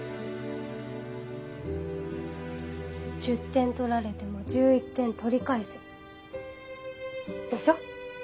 １０点取られても１１点取り返せでしょ？